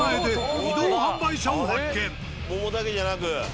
桃だけじゃなく。